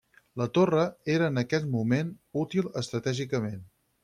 La torre era en aquest moment, útil estratègicament.